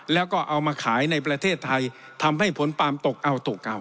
แล้วก็เอามาขายในประเทศไทยทำให้ผลปาล์มตกเอาตกกรรม